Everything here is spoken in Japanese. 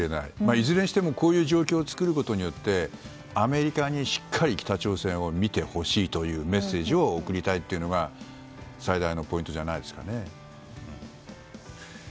いずれにしてもこういう状況を作ることによってアメリカにしっかり北朝鮮を見てほしいというメッセージを送りたいというのが最大のポイントじゃないですかね。